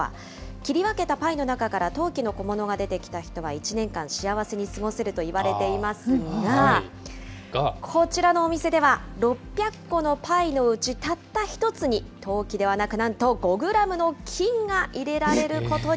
切り分けたパイの中から陶器の小物が出てきた人は１年間幸せに過ごせるといわれていますが、こちらのお店では、６００個のパイのうち、たった１つに陶器ではなく、なんと５グラムの金が入れられることに。